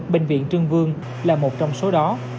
bệnh viện trương vương là một trong số đó